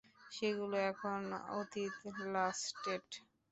সেগুলো এখন অতীত, ল্যাস্টেট!